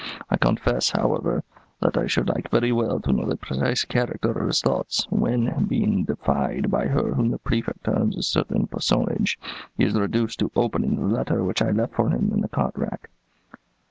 I confess, however, that I should like very well to know the precise character of his thoughts, when, being defied by her whom the Prefect terms 'a certain personage,' he is reduced to opening the letter which I left for him in the card rack."